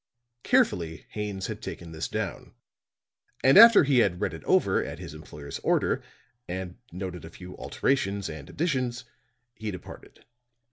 Carefully Haines had taken this down; and after he had read it over at his employer's order and noted a few alterations and additions, he departed.